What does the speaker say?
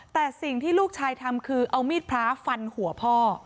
แต่สิ่งที่ลูกชายทำคือเอามีดพระฟันหัวพ่อ